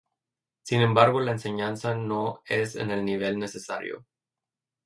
Sin embargo la enseñanza no es en el nivel necesario.